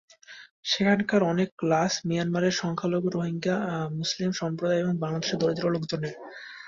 সেখানকার অনেক লাশ মিয়ানমারের সংখ্যালঘু রোহিঙ্গা মুসলিম সম্প্রদায় এবং বাংলাদেশের দরিদ্র লোকজনের।